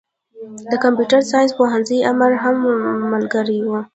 د کمپيوټر ساينس پوهنځي امر هم ملګری و.